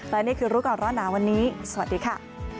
และนี่คือรู้ก่อนร้อนหนาวันนี้สวัสดีค่ะ